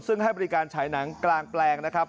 ซึ่งให้บริการฉายหนังกลางแปลงนะครับ